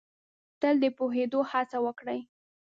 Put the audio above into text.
تل د پوهېدو هڅه وکړ ئ